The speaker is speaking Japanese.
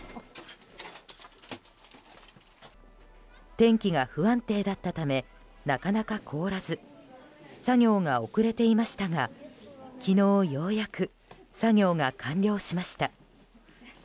天気が不安定だったためなかなか凍らず作業が遅れていましたが、昨日ようやく作業が完了しました。